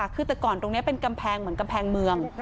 คือแต่ก่อนตรงนี้เป็นกำแพงเหมือนกำแพงเมือง